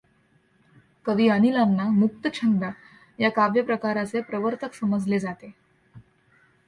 कवि अनिलांना मुक्तछंद ह्या काव्यप्रकाराचे प्रवर्तक समजले जाते.